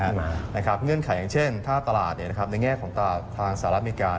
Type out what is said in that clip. เงื่อนไขอย่างเช่นถ้าตลาดในแง่ของตลาดทางสหรัฐอเมริกา